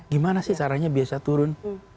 gimana sih caranya biasa turun